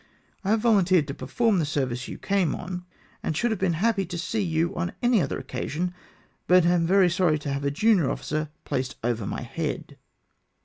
I have volun teered to perform the service you came on, and should have been happy to see you on any other occasion, but am very sorry to have a junior officer placed over my head."